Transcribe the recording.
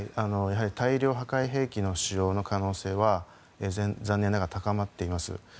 やはり大量破壊兵器の使用の可能性は残念ながら高まっています。